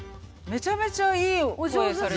めちゃめちゃいいお声されてるし。